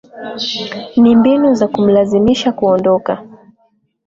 ni mbinu za kumlazimisha kuondoka